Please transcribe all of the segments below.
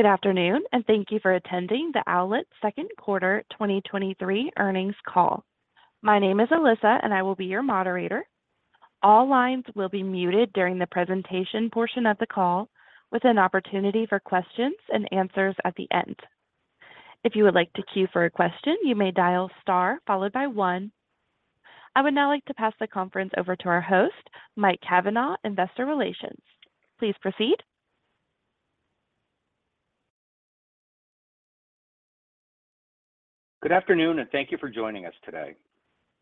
Good afternoon. Thank you for attending the Owlet Q2 2023 earnings call. My name is Alyssa. I will be your moderator. All lines will be muted during the presentation portion of the call, with an opportunity for questions and answers at the end. If you would like to queue for a question, you may dial star followed by one. I would now like to pass the conference over to our host, Mike Cavanaugh, Investor Relations. Please proceed. Good afternoon, and thank you for joining us today.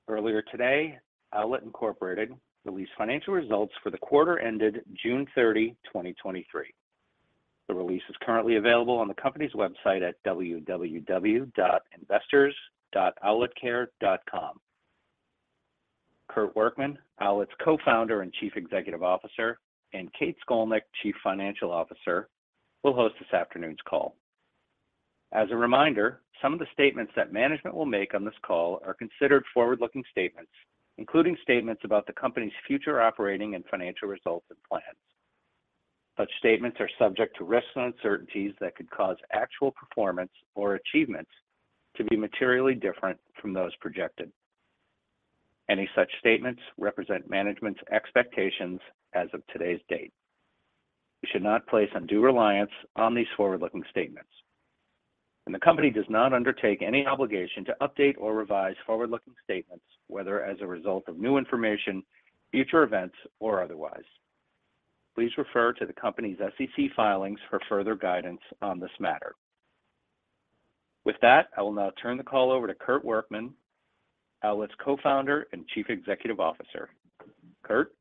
Earlier today, Owlet Incorporated released financial results for the quarter ended June 30, 2023. The release is currently available on the company's website at investors.owletcare.com. Kurt Workman, Owlet's Co-founder and Chief Executive Officer, and Kate Scolnick, Chief Financial Officer, will host this afternoon's call. As a reminder, some of the statements that management will make on this call are considered forward-looking statements, including statements about the company's future operating and financial results and plans. Such statements are subject to risks and uncertainties that could cause actual performance or achievements to be materially different from those projected. Any such statements represent management's expectations as of today's date. You should not place undue reliance on these forward-looking statements. The company does not undertake any obligation to update or revise forward-looking statements, whether as a result of new information, future events, or otherwise. Please refer to the company's SEC filings for further guidance on this matter. With that, I will now turn the call over to Kurt Workman, Owlet's Co-founder and Chief Executive Officer. Kurt?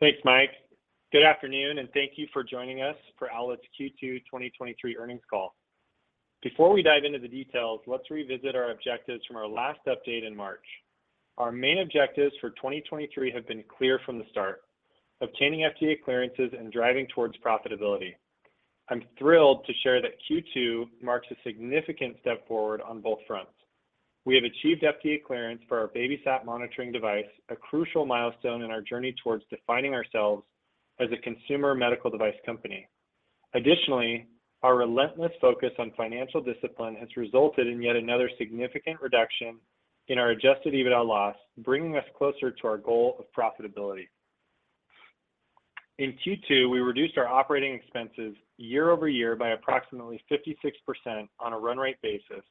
Thanks, Mike. Good afternoon, and thank you for joining us for Owlet's Q2 2023 earnings call. Before we dive into the details, let's revisit our objectives from our last update in March. Our main objectives for 2023 have been clear from the start: obtaining FDA clearances and driving towards profitability. I'm thrilled to share that Q2 marks a significant step forward on both fronts. We have achieved FDA clearance for our BabySat monitoring device, a crucial milestone in our journey towards defining ourselves as a consumer medical device company. Additionally, our relentless focus on financial discipline has resulted in yet another significant reduction in our adjusted EBITDA loss, bringing us closer to our goal of profitability. In Q2, we reduced our operating expenses year-over-year by approximately 56% on a run rate basis,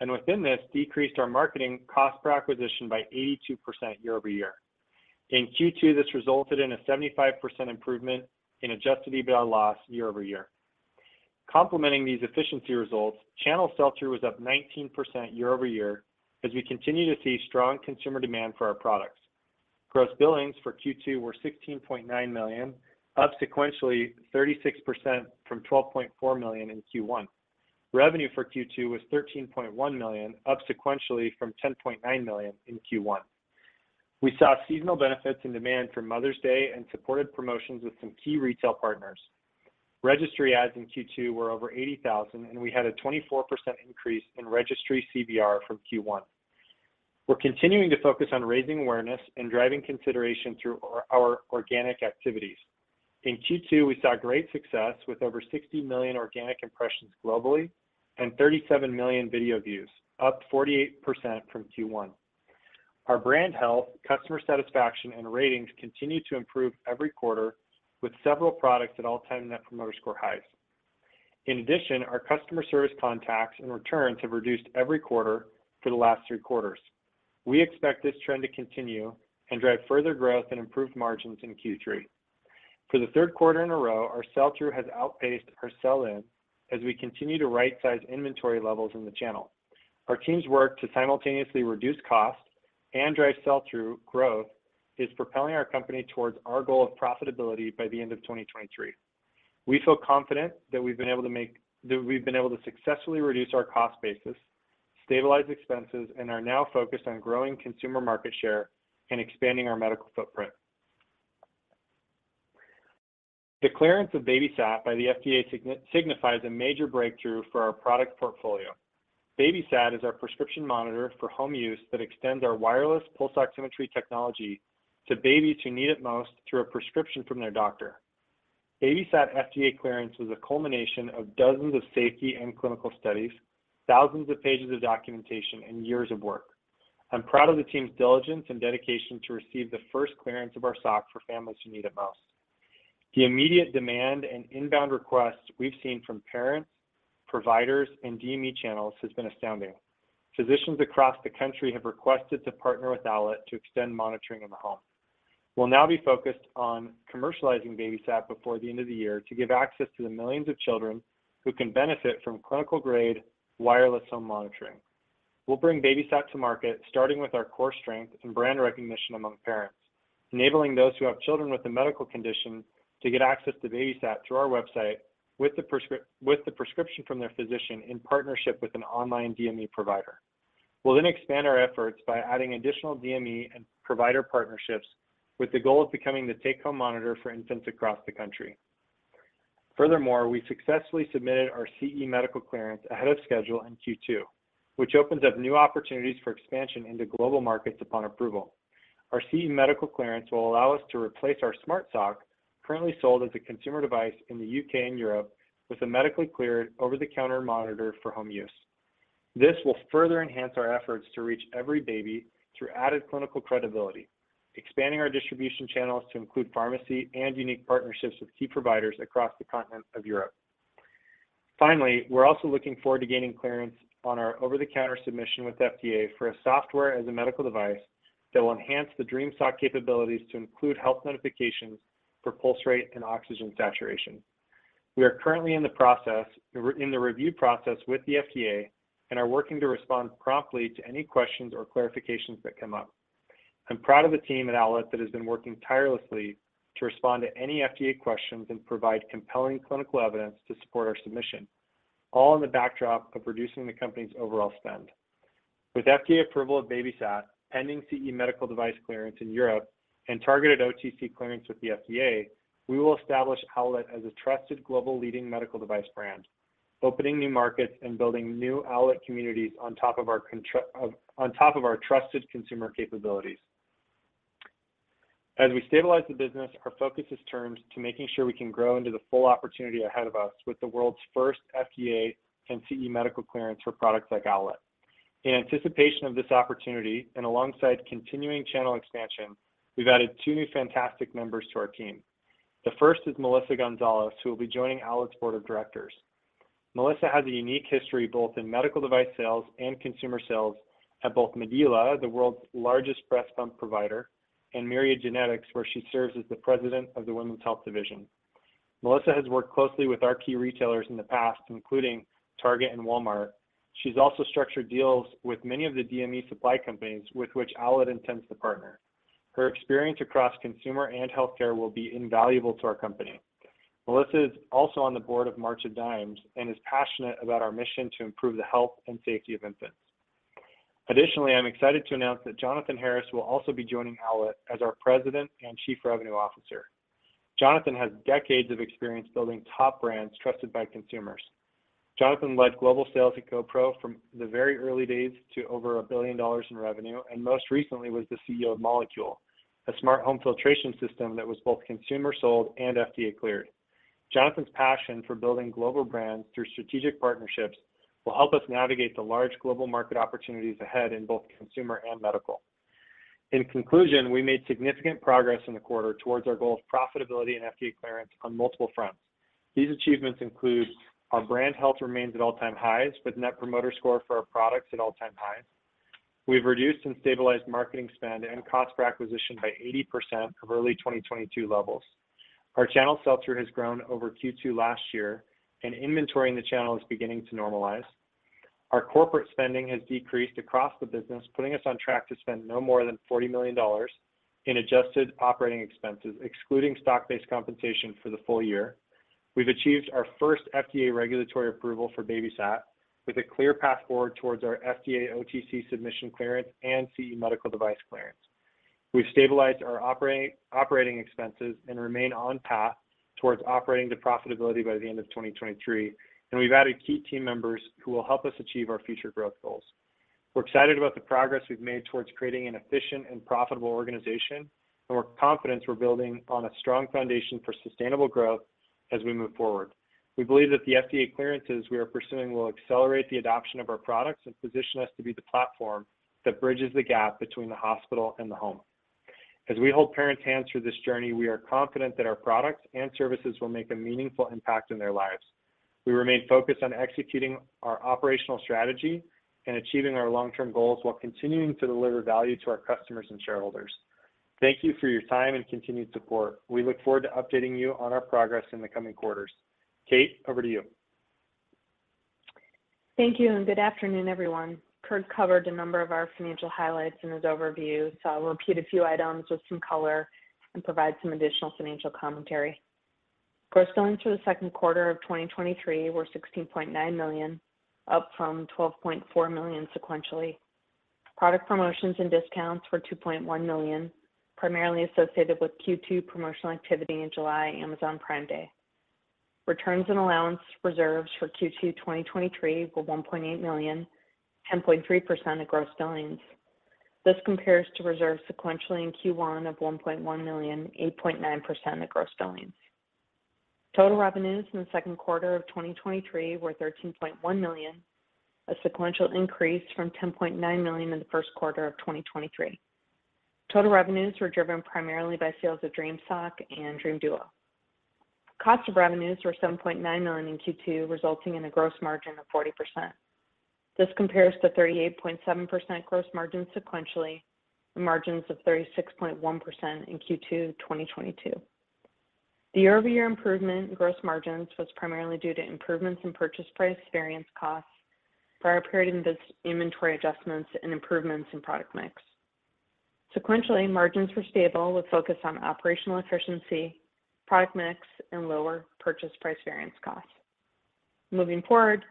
and within this, decreased our marketing cost per acquisition by 82% year-over-year. In Q2, this resulted in a 75% improvement in adjusted EBITDA loss year-over-year. Complementing these efficiency results, channel sell-through was up 19% year-over-year as we continue to see strong consumer demand for our products. Gross billings for Q2 were $16.9 million, up sequentially 36% from $12.4 million in Q1. Revenue for Q2 was $13.1 million, up sequentially from $10.9 million in Q1. We saw seasonal benefits and demand for Mother's Day and supported promotions with some key retail partners. Registry ads in Q2 were over 80,000, and we had a 24% increase in registry CVR from Q1. We're continuing to focus on raising awareness and driving consideration through our, our organic activities. In Q2, we saw great success with over 60 million organic impressions globally and 37 million video views, up 48% from Q1. Our brand health, customer satisfaction, and ratings continue to improve every quarter, with several products at all-time Net Promoter Score highs. In addition, our customer service contacts and returns have reduced every quarter for the last three quarters. We expect this trend to continue and drive further growth and improved margins in Q3. For the 3rd quarter in a row, our sell-through has outpaced our sell-in as we continue to right-size inventory levels in the channel. Our team's work to simultaneously reduce costs and drive sell-through growth is propelling our company towards our goal of profitability by the end of 2023. We feel confident that we've been able to successfully reduce our cost basis, stabilize expenses, and are now focused on growing consumer market share and expanding our medical footprint. The clearance of BabySat by the FDA signifies a major breakthrough for our product portfolio. BabySat is our prescription monitor for home use that extends our wireless pulse oximetry technology to babies who need it most through a prescription from their doctor. BabySat FDA clearance was a culmination of dozens of safety and clinical studies, thousands of pages of documentation, and years of work. I'm proud of the team's diligence and dedication to receive the first clearance of our sock for families who need it most. The immediate demand and inbound requests we've seen from parents, providers, and DME channels has been astounding. Physicians across the country have requested to partner with Owlet to extend monitoring in the home. We'll now be focused on commercializing BabySat before the end of the year to give access to the millions of children who can benefit from clinical-grade wireless home monitoring. We'll bring BabySat to market, starting with our core strength and brand recognition among parents, enabling those who have children with a medical condition to get access to BabySat through our website with the prescription from their physician in partnership with an online DME provider. We'll then expand our efforts by adding additional DME and provider partnerships with the goal of becoming the take-home monitor for infants across the country. Furthermore, we successfully submitted our CE medical clearance ahead of schedule in Q2, which opens up new opportunities for expansion into global markets upon approval.... Our CE medical clearance will allow us to replace our Smart Sock, currently sold as a consumer device in the UK and Europe, with a medically cleared over-the-counter monitor for home use. This will further enhance our efforts to reach every baby through added clinical credibility, expanding our distribution channels to include pharmacy and unique partnerships with key providers across the continent of Europe. Finally, we're also looking forward to gaining clearance on our over-the-counter submission with FDA for a Software as a Medical Device that will enhance the Dream Sock capabilities to include health notifications for pulse rate and oxygen saturation. We are currently in the review process with the FDA, and are working to respond promptly to any questions or clarifications that come up. I'm proud of the team at Owlet that has been working tirelessly to respond to any FDA questions and provide compelling clinical evidence to support our submission, all in the backdrop of reducing the company's overall spend. With FDA approval of BabySat, pending CE medical device clearance in Europe, and targeted OTC clearance with the FDA, we will establish Owlet as a trusted global leading medical device brand, opening new markets and building new Owlet communities on top of our of, on top of our trusted consumer capabilities. As we stabilize the business, our focus has turned to making sure we can grow into the full opportunity ahead of us with the world's first FDA and CE medical clearance for products like Owlet. In anticipation of this opportunity, and alongside continuing channel expansion, we've added two new fantastic members to our team. The first is Melissa Gonzalez, who will be joining Owlet's board of directors. Melissa has a unique history, both in medical device sales and consumer sales at both Medela, the world's largest breast pump provider, and Myriad Genetics, where she serves as the President of the Women's Health Division. Melissa has worked closely with our key retailers in the past, including Target and Walmart. She's also structured deals with many of the DME supply companies with which Owlet intends to partner. Her experience across consumer and healthcare will be invaluable to our company. Melissa is also on the board of March of Dimes and is passionate about our mission to improve the health and safety of infants. Additionally, I'm excited to announce that Jonathan Harris will also be joining Owlet as our President and Chief Revenue Officer. Jonathan has decades of experience building top brands trusted by consumers. Jonathan led global sales at GoPro from the very early days to over $1 billion in revenue, and most recently was the CEO of Molekule, a smart home filtration system that was both consumer sold and FDA cleared. Jonathan's passion for building global brands through strategic partnerships will help us navigate the large global market opportunities ahead in both consumer and medical. In conclusion, we made significant progress in the quarter towards our goal of profitability and FDA clearance on multiple fronts. These achievements include: our brand health remains at all-time highs, with Net Promoter Score for our products at all-time highs. We've reduced and stabilized marketing spend and cost per acquisition by 80% of early 2022 levels. Our channel sell-through has grown over Q2 last year, and inventory in the channel is beginning to normalize. Our corporate spending has decreased across the business, putting us on track to spend no more than $40 million in adjusted operating expenses, excluding stock-based compensation for the full year. We've achieved our first FDA regulatory approval for BabySat, with a clear path forward towards our FDA OTC submission clearance and CE medical device clearance. We've stabilized our operating expenses and remain on path towards operating to profitability by the end of 2023. We've added key team members who will help us achieve our future growth goals. We're excited about the progress we've made towards creating an efficient and profitable organization. We're confident we're building on a strong foundation for sustainable growth as we move forward. We believe that the FDA clearances we are pursuing will accelerate the adoption of our products and position us to be the platform that bridges the gap between the hospital and the home. As we hold parents' hands through this journey, we are confident that our products and services will make a meaningful impact in their lives. We remain focused on executing our operational strategy and achieving our long-term goals, while continuing to deliver value to our customers and shareholders. Thank you for your time and continued support. We look forward to updating you on our progress in the coming quarters. Kate, over to you. Thank you, and good afternoon, everyone. Kurt covered a number of our financial highlights in his overview, so I'll repeat a few items with some color and provide some additional financial commentary. Gross billings for the Q2 of 2023 were $16.9 million, up from $12.4 million sequentially. Product promotions and discounts were $2.1 million, primarily associated with Q2 promotional activity in July, Amazon Prime Day. Returns and allowance reserves for Q2 2023 were $1.8 million, 10.3% of gross billings. This compares to reserves sequentially in Q1 of $1.1 million, 8.9% of gross billings. Total revenues in the Q2 of 2023 were $13.1 million, a sequential increase from $10.9 million in the Q1 of 2023. Total revenues were driven primarily by sales of Dream Sock and Dream Duo. Cost of revenues were $7.9 million in Q2, resulting in a gross margin of 40%. This compares to 38.7% gross margin sequentially, and margins of 36.1% in Q2 2022. The year-over-year improvement in gross margins was primarily due to improvements in purchase price variance costs, prior period inventory adjustments, and improvements in product mix. Sequentially, margins were stable, with focus on operational efficiency, product mix, and lower purchase price variance costs. Moving forward,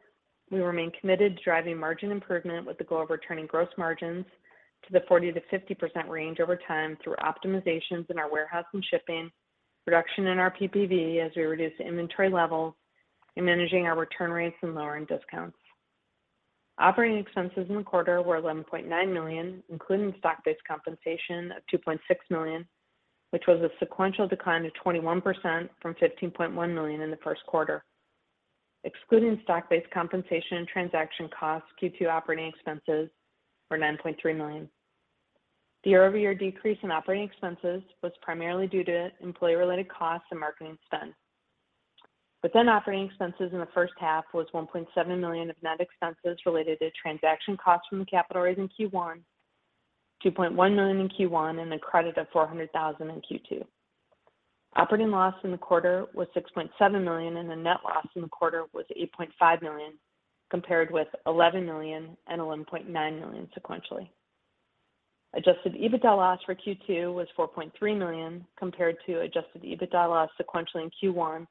we remain committed to driving margin improvement with the goal of returning gross margins to the 40%-50% range over time through optimizations in our warehouse and shipping, reduction in our PPV as we reduce inventory levels, and managing our return rates and lowering discounts. Operating expenses in the quarter were $11.9 million, including stock-based compensation of $2.6 million, which was a sequential decline of 21% from $15.1 million in the Q1. Excluding stock-based compensation and transaction costs, Q2 operating expenses were $9.3 million. The year-over-year decrease in operating expenses was primarily due to employee-related costs and marketing spend. Operating expenses in the first half was $1.7 million of net expenses related to transaction costs from the capital raise in Q1, $2.1 million in Q1, and a credit of $400,000 in Q2. Operating loss in the quarter was $6.7 million, and the net loss in the quarter was $8.5 million, compared with $11 million and $11.9 million sequentially. Adjusted EBITDA loss for Q2 was $4.3 million, compared to adjusted EBITDA loss sequentially in Q1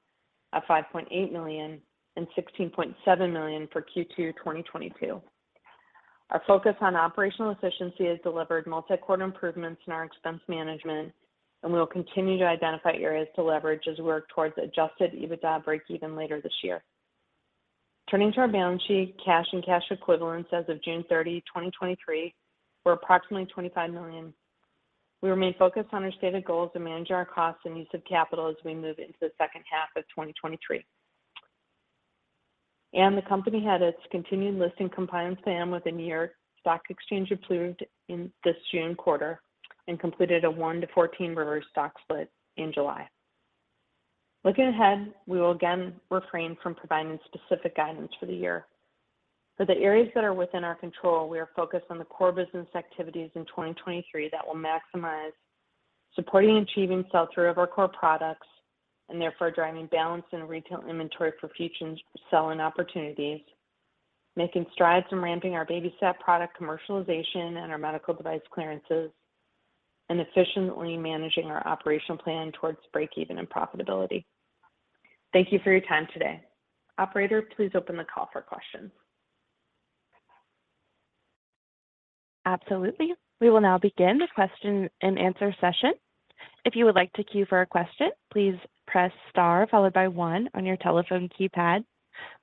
at $5.8 million and $16.7 million for Q2 2022. Our focus on operational efficiency has delivered multi-quarter improvements in our expense management. We will continue to identify areas to leverage as we work towards adjusted EBITDA breakeven later this year. Turning to our balance sheet, cash and cash equivalents as of June 30, 2023, were approximately $25 million. We remain focused on our stated goals to manage our costs and use of capital as we move into the second half of 2023. The company had its continuing listing compliance plan within New York Stock Exchange approved in this June quarter and completed a 1 to 14 reverse stock split in July. Looking ahead, we will again refrain from providing specific guidance for the year. For the areas that are within our control, we are focused on the core business activities in 2023 that will maximize supporting and achieving sell-through of our core products, and therefore, driving balance in retail inventory for future selling opportunities, making strides in ramping our BabySat product commercialization and our medical device clearances, and efficiently managing our operational plan towards breakeven and profitability. Thank you for your time today. Operator, please open the call for questions. Absolutely. We will now begin the question and answer session. If you would like to queue for a question, please press star followed by 1 on your telephone keypad.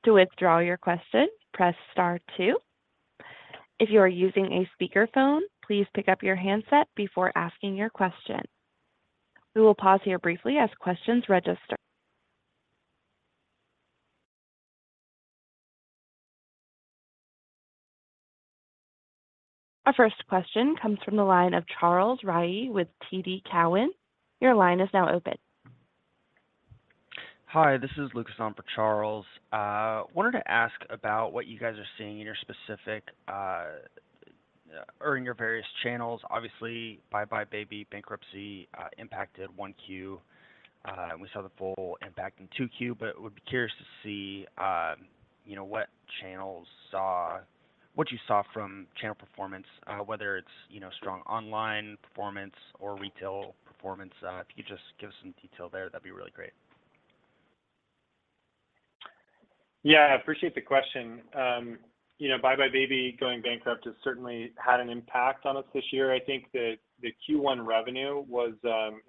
To withdraw your question, press star 2. If you are using a speakerphone, please pick up your handset before asking your question. We will pause here briefly as questions register. Our first question comes from the line of Charles Rhyee with TD Cowen. Your line is now open. Hi, this is Lucas, not Charles. Wanted to ask about what you guys are seeing in your specific, or in your various channels. Obviously, buybuy BABY bankruptcy impacted 1 Q, and we saw the full impact in 2 Q, but would be curious to see, you know, what you saw from channel performance, whether it's, you know, strong online performance or retail performance. If you could just give us some detail there, that'd be really great. Yeah, I appreciate the question. you know, buybuy BABY going bankrupt has certainly had an impact on us this year. I think that the Q1 revenue was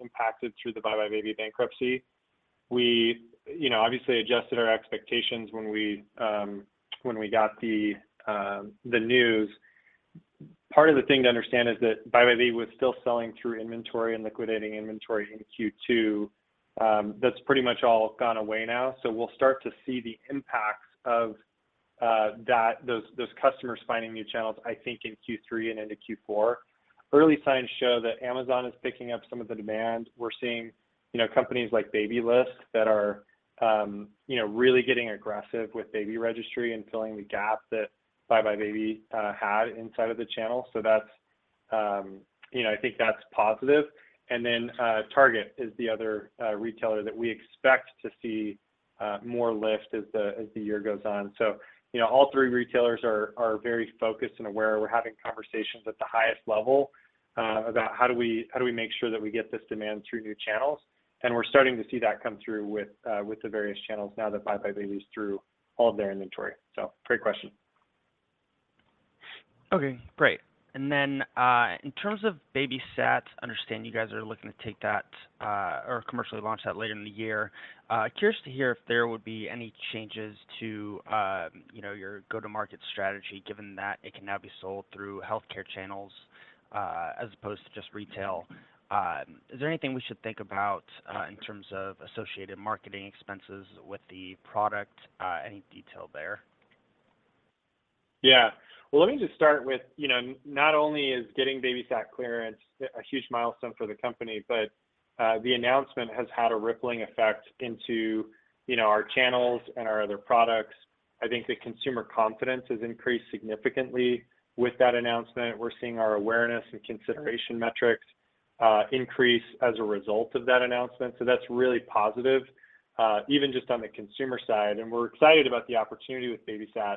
impacted through the buybuy BABY bankruptcy. We, you know, obviously adjusted our expectations when we when we got the the news. Part of the thing to understand is that buybuy BABY was still selling through inventory and liquidating inventory in Q2. That's pretty much all gone away now. We'll start to see the impacts of that those, those customers finding new channels, I think in Q3 and into Q4. Early signs show that Amazon is picking up some of the demand. We're seeing, you know, companies like Babylist that are, you know, really getting aggressive with baby registry and filling the gap that buybuy BABY had inside of the channel. That's, you know, I think that's positive. Target is the other retailer that we expect to see more lift as the, as the year goes on. You know, all three retailers are, are very focused and aware. We're having conversations at the highest level, about how do we, how do we make sure that we get this demand through new channels? We're starting to see that come through with, with the various channels now that buybuy BABY is through all of their inventory. Great question. Okay, great. In terms of BabySat, I understand you guys are looking to take that, or commercially launch that later in the year. Curious to hear if there would be any changes to, you know, your go-to-market strategy, given that it can now be sold through healthcare channels, as opposed to just retail. Is there anything we should think about, in terms of associated marketing expenses with the product? Any detail there? Well, let me just start with, you know, not only is getting BabySat clearance a huge milestone for the company, the announcement has had a rippling effect into, you know, our channels and our other products. I think the consumer confidence has increased significantly with that announcement. We're seeing our awareness and consideration metrics increase as a result of that announcement. That's really positive, even just on the consumer side. We're excited about the opportunity with BabySat.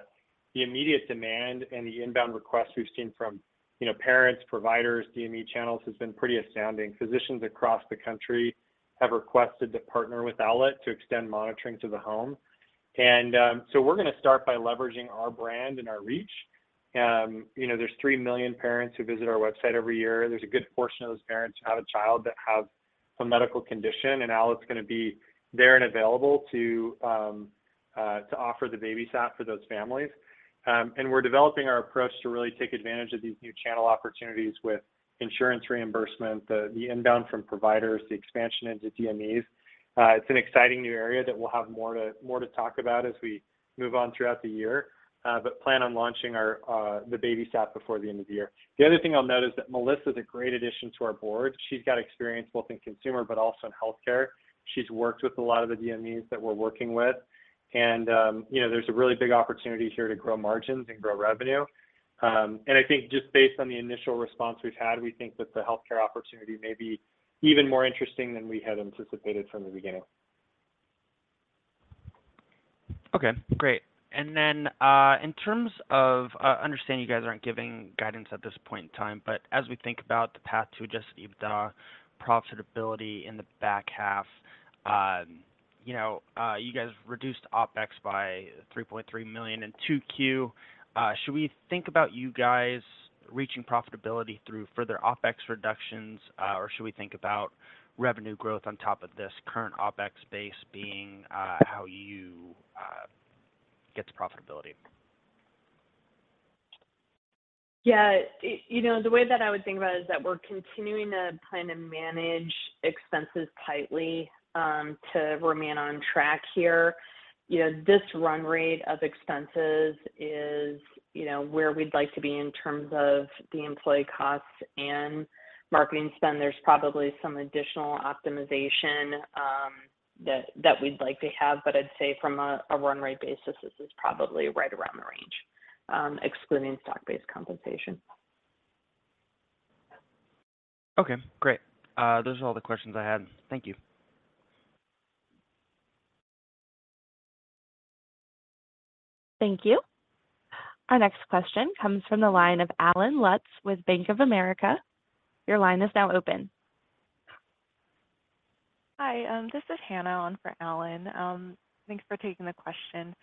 The immediate demand and the inbound requests we've seen from, you know, parents, providers, DME channels, has been pretty astounding. Physicians across the country have requested to partner with Owlet to extend monitoring to the home. We're gonna start by leveraging our brand and our reach. You know, there's 3 million parents who visit our website every year. There's a good portion of those parents who have a child that have some medical condition, and Owlet's gonna be there and available to offer the Baby Sock for those families. We're developing our approach to really take advantage of these new channel opportunities with insurance reimbursement, the, the inbound from providers, the expansion into DMEs. It's an exciting new area that we'll have more to, more to talk about as we move on throughout the year, but plan on launching our the Baby Sock before the end of the year. The other thing I'll note is that Melissa is a great addition to our board. She's got experience both in consumer but also in healthcare. She's worked with a lot of the DMEs that we're working with, and, you know, there's a really big opportunity here to grow margins and grow revenue. I think just based on the initial response we've had, we think that the healthcare opportunity may be even more interesting than we had anticipated from the beginning. Okay, great. In terms of understanding you guys aren't giving guidance at this point in time, but as we think about the path to just EBITDA profitability in the back half, you know, you guys reduced OpEx by $3.3 million in Q2. Should we think about you guys reaching profitability through further OpEx reductions, or should we think about revenue growth on top of this current OpEx base being, how you get to profitability? Yeah, you know, the way that I would think about it is that we're continuing to plan and manage expenses tightly to remain on track here. You know, this run rate of expenses is, you know, where we'd like to be in terms of the employee costs and marketing spend. There's probably some additional optimization that, that we'd like to have, but I'd say from a, a run rate basis, this is probably right around the range, excluding stock-based compensation. Okay, great. Those are all the questions I had. Thank you. Thank you. Our next question comes from the line of Allen Lutz with Bank of America. Your line is now open. Hi, this is Hannah on for Alan. Thanks for taking the question.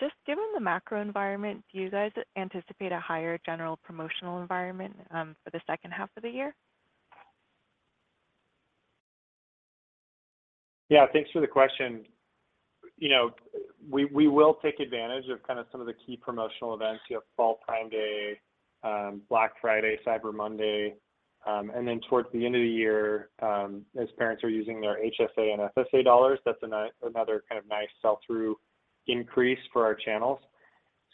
Just given the macro environment, do you guys anticipate a higher general promotional environment for the second half of the year? Yeah, thanks for the question. You know, we, we will take advantage of kind of some of the key promotional events, you know, fall Prime Day, Black Friday, Cyber Monday, and then towards the end of the year, as parents are using their HSA and FSA dollars, that's another kind of nice sell-through increase for our channels.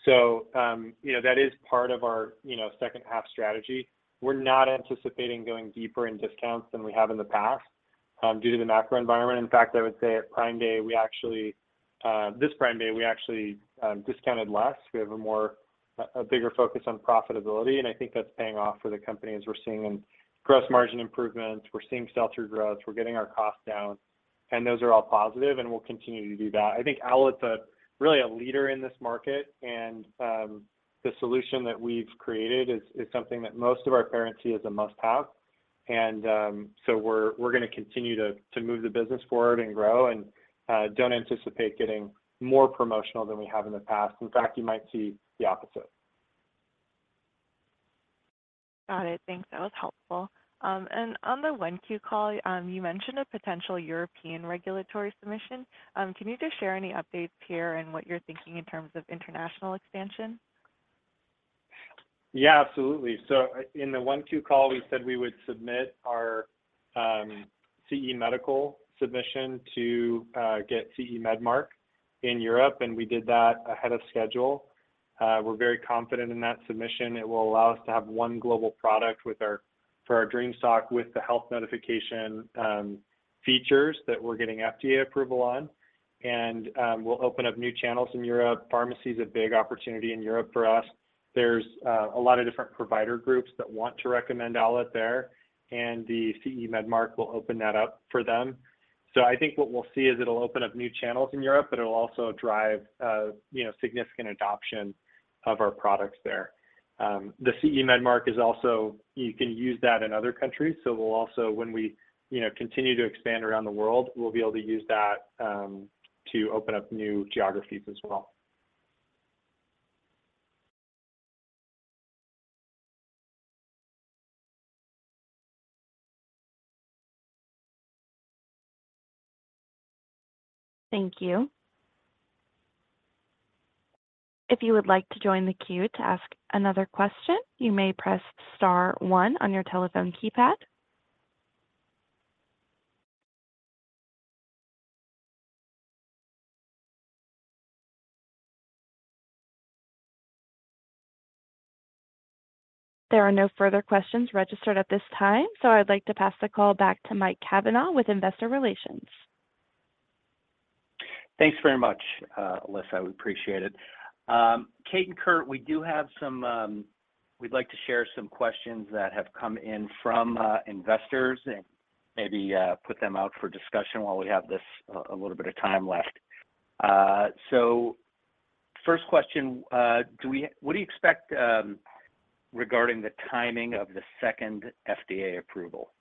That is part of our, you know, second half strategy. We're not anticipating going deeper in discounts than we have in the past, due to the macro environment. In fact, I would say at Prime Day, we actually, this Prime Day, we actually, discounted less. We have a more bigger focus on profitability, and I think that's paying off for the company as we're seeing in gross margin improvements, we're seeing sell-through growth, we're getting our costs down, and those are all positive, and we'll continue to do that. I think Owlet's a really leader in this market, and the solution that we've created is something that most of our parents see as a must-have. We're gonna continue to move the business forward and grow and don't anticipate getting more promotional than we have in the past. In fact, you might see the opposite. Got it. Thanks. That was helpful. On the 1 Q call, you mentioned a potential European regulatory submission. Can you just share any updates here and what you're thinking in terms of international expansion? Yeah, absolutely. In the 1Q call, we said we would submit our CE medical submission to get CE mark in Europe, and we did that ahead of schedule. We're very confident in that submission. It will allow us to have one global product for our Dream Sock, with the health notification features that we're getting FDA approval on. We'll open up new channels in Europe. Pharmacy is a big opportunity in Europe for us. There's a lot of different provider groups that want to recommend Owlet there, and the CE mark will open that up for them. I think what we'll see is it'll open up new channels in Europe, but it'll also drive, you know, significant adoption of our products there. The CE mark is also... You can use that in other countries, we'll also, when we, you know, continue to expand around the world, we'll be able to use that to open up new geographies as well. Thank you. If you would like to join the queue to ask another question, you may press star 1 on your telephone keypad. There are no further questions registered at this time, I'd like to pass the call back to Mike Cavanaugh with Investor Relations. Thanks very much, Alyssa. We appreciate it. Kate and Kurt, we do have some, we'd like to share some questions that have come in from investors, maybe put them out for discussion while we have this a little bit of time left. First question, What do you expect regarding the timing of the second FDA approval?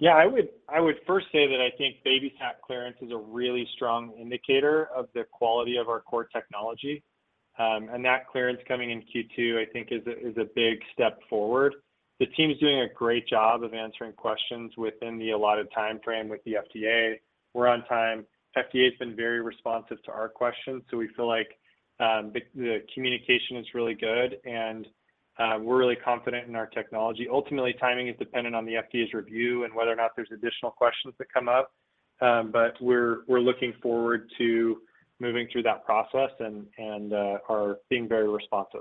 Yeah, I would, I would first say that I think BabySat clearance is a really strong indicator of the quality of our core technology. That clearance coming in Q2, I think, is a big step forward. The team's doing a great job of answering questions within the allotted timeframe with the FDA. We're on time. FDA's been very responsive to our questions, so we feel like the communication is really good, and we're really confident in our technology. Ultimately, timing is dependent on the FDA's review and whether or not there's additional questions that come up. We're looking forward to moving through that process and are being very responsive.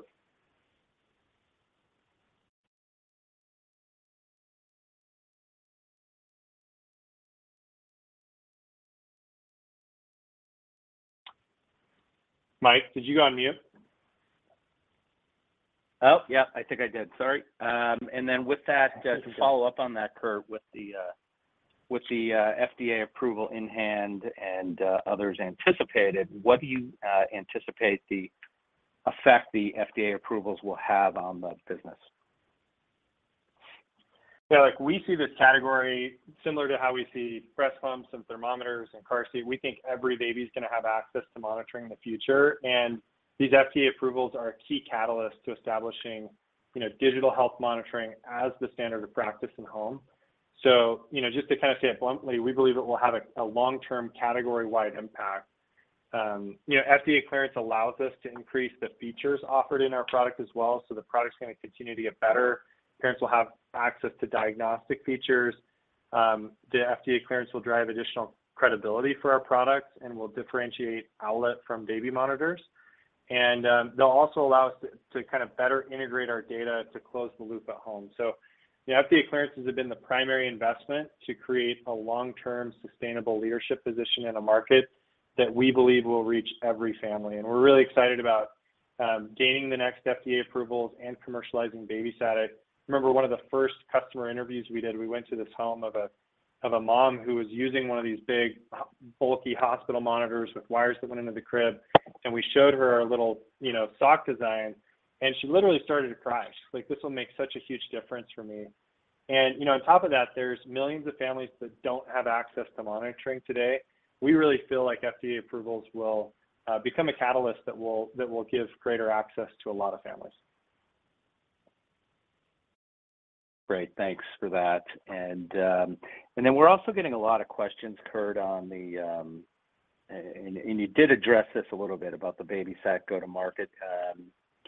Mike, did you go on mute? Oh, yeah, I think I did. Sorry. And then with that, just to follow up on that, Kurt, with the, with the, FDA approval in hand and, others anticipated, what do you, anticipate the effect the FDA approvals will have on the business? Yeah, like we see this category similar to how we see breast pumps and thermometers and car seat. We think every baby's gonna have access to monitoring in the future. These FDA approvals are a key catalyst to establishing, you know, digital health monitoring as the standard of practice in home. Just to kind of say it bluntly, we believe it will have a, a long-term, category-wide impact. FDA clearance allows us to increase the features offered in our product as well, so the product's gonna continue to get better. Parents will have access to diagnostic features. The FDA clearance will drive additional credibility for our products and will differentiate Owlet from baby monitors. They'll also allow us to, to kind of better integrate our data to close the loop at home. The FDA clearances have been the primary investment to create a long-term, sustainable leadership position in a market that we believe will reach every family, and we're really excited about gaining the next FDA approvals and commercializing BabySat. I remember one of the first customer interviews we did, we went to this home of a, of a mom who was using one of these big, bulky hospital monitors with wires that went into the crib, and we showed her our little, you know, sock design, and she literally started to cry. She's like, "This will make such a huge difference for me." You know, on top of that, there's millions of families that don't have access to monitoring today. We really feel like FDA approvals will become a catalyst that will, that will give greater access to a lot of families. Great, thanks for that. Then we're also getting a lot of questions, Kurt, on the, and you did address this a little bit about the BabySat go-to-market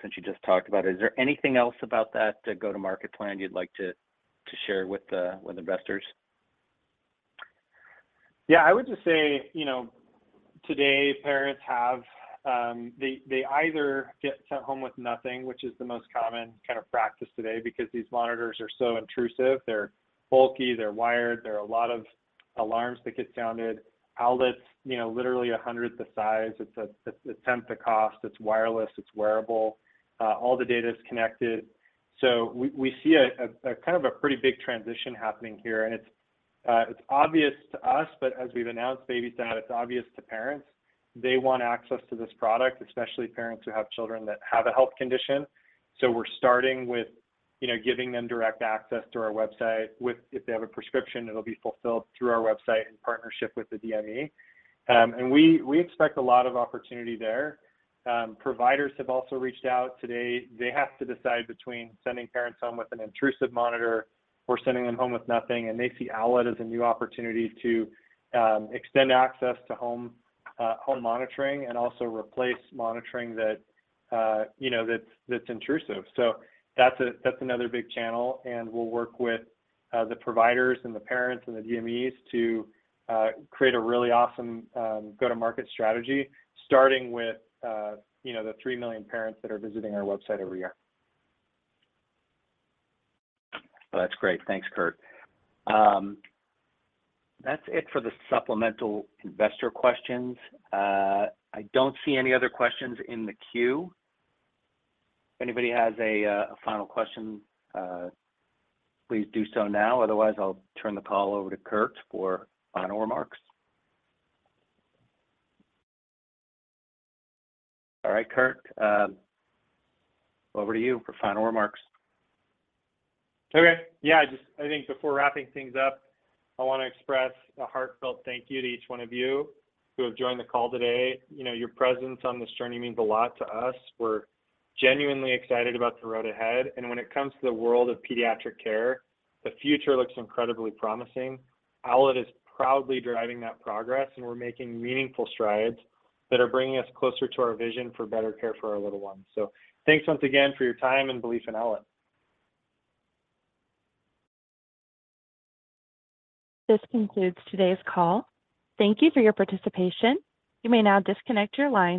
since you just talked about it. Is there anything else about that, the go-to-market plan, you'd like to share with investors? Yeah, I would just say, you know, today parents have, they, they either get sent home with nothing, which is the most common kind of practice today, because these monitors are so intrusive. They're bulky, they're wired, there are a lot of alarms that get sounded. Owlet's, you know, literally a hundredth the size. It's a, it's a tenth the cost. It's wireless, it's wearable. All the data is connected. We, we see a, a, a kind of a pretty big transition happening here, and it's, it's obvious to us, but as we've announced BabySat, it's obvious to parents. They want access to this product, especially parents who have children that have a health condition. We're starting with, you know, giving them direct access to our website. If they have a prescription, it'll be fulfilled through our website in partnership with the DME. We, we expect a lot of opportunity there. Providers have also reached out. Today, they have to decide between sending parents home with an intrusive monitor or sending them home with nothing, and they see Owlet as a new opportunity to extend access to home monitoring and also replace monitoring that, you know, that's, that's intrusive. That's another big channel, and we'll work with the providers and the parents and the DMEs to create a really awesome go-to-market strategy, starting with, you know, the 3 million parents that are visiting our website every year. Well, that's great. Thanks, Kurt. That's it for the supplemental investor questions. I don't see any other questions in the queue. If anybody has a final question, please do so now. Otherwise, I'll turn the call over to Kurt for final remarks. All right, Kurt, over to you for final remarks. Okay. Yeah, just I think before wrapping things up, I wanna express a heartfelt thank you to each one of you who have joined the call today. You know, your presence on this journey means a lot to us. We're genuinely excited about the road ahead. When it comes to the world of pediatric care, the future looks incredibly promising. Owlet is proudly driving that progress. We're making meaningful strides that are bringing us closer to our vision for better care for our little ones. Thanks once again for your time and belief in Owlet. This concludes today's call. Thank you for your participation. You may now disconnect your line.